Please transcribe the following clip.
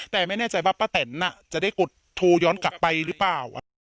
แต่ไม่แน่ใจว่าป้าแตนจะได้กดโทรย้อนกลับไปหรือเปล่า